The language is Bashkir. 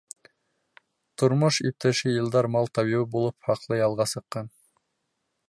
Тормош иптәше Илдар мал табибы булып хаҡлы ялға сыҡҡан.